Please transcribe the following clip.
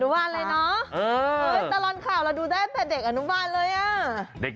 ตลอดข่าวเราดูได้ตั้งแต่เด็กอนุบาลเลย